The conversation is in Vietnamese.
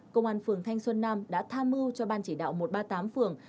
công an phường thanh xuân nam đã tham mưu cho ban chỉ đạo một trăm ba mươi tám phường